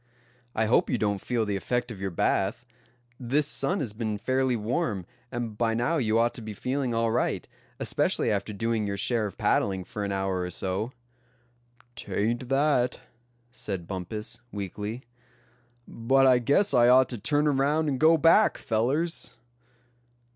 "I hope you don't feel the effect of your bath. This sun has been fairly warm, and by now you ought to be feeling all right, especially after doing your share of paddling for an hour or so." "'Tain't that," said Bumpus, weakly; "but I guess I ought to turn around, and go back, fellers."